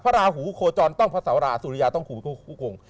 พระราหูโคจรต้องพระเสาราสุริยาต้องโคคง